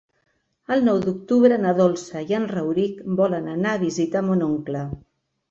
El nou d'octubre na Dolça i en Rauric volen anar a visitar mon oncle.